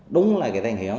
đúng là thằng hiển